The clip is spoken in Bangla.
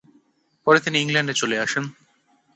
পরে তিনি ইংল্যান্ডে চলে আসেন।